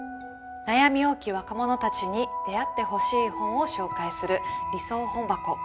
悩み多き若者たちに出会ってほしい本を紹介する「理想本箱」。